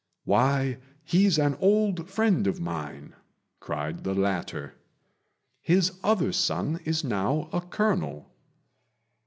"Why, he's an old friend of mine," cried the latter; "his other son is now a colonel."